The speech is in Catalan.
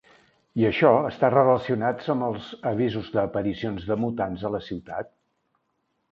I això està relacionats amb els avisos d'aparicions de mutants a la ciutat?